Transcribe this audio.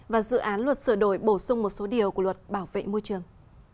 và dự án luật sửa đổi bổ sung một số điều của luật bảo vệ môi trường